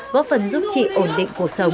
góp phần giúp chị ổn định cuộc sống